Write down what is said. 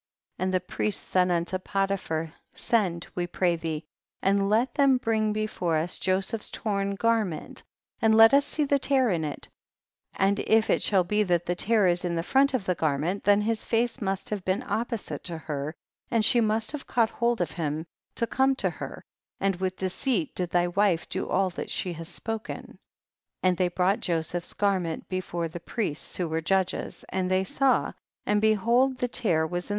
74. And the priests said unto Potiphar, send, we pray thee, and let them bring before us Joseph's torn garment, and let us see the tear in it, and if it shall be that the tear is in front of the ganncnt, then his face must have been opposite to her and she must have caught hold of him, to come to her, and with deceit did thy wife do all that she has spoken. 75. And they brought Joseph's garment before the priests who icere judges, and they saw and behold the 142 THE BOOK OF JASHER.